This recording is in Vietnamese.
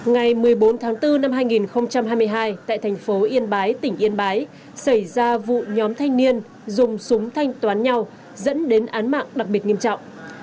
ngày một mươi bốn tháng bốn năm hai nghìn hai mươi hai tại thành phố yên bái tỉnh yên bái xảy ra vụ nhóm thanh niên dùng súng thanh toán nhau dẫn đến án mạng đặc biệt nghiêm trọng